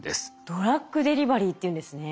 ドラッグデリバリーっていうんですね。